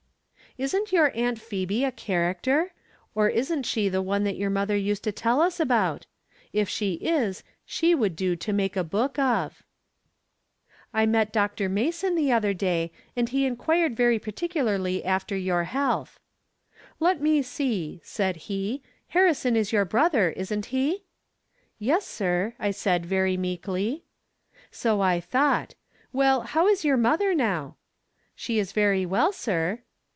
Isn't your Aunt Phebe a character ? or isn't she the one that your mother used to tell us about ? If she is she would do to make a book of. I met Dr. Mason the other day, and he inquired very particularly after your health. 20 From Different Standpoints. " Let me see," said he, " Harrison is your brotiier, isn't he ?"" Yes, sir," I said, very meekly. " So I thought. "Well, how is your mother, now ?"" She is very well, sir."